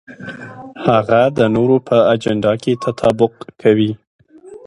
هغه د نورو په اجنډا کې تطابق کوي.